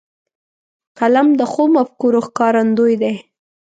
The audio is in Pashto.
قلم د ښو مفکورو ښکارندوی دی